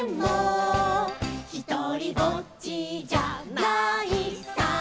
「ひとりぼっちじゃないさ」